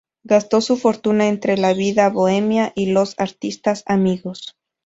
Gastó su fortuna entre la vida bohemia y los artistas amigos.